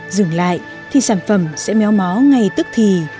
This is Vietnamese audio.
dừng lại thì sản phẩm sẽ méo mó ngay tức thì